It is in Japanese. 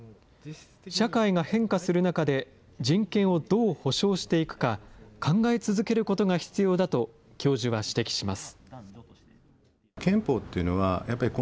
社会が変化する中で人権をどう保障していくか、考え続けることが必要だと教授は指摘します。